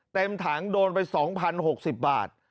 เต็มถังโดนไป๒๐๖๐บาท